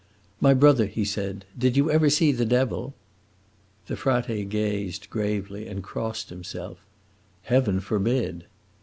"My brother," he said, "did you ever see the Devil?" The frate gazed, gravely, and crossed himself. "Heaven forbid!"